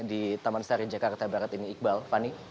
di taman sari jakarta barat ini iqbal fani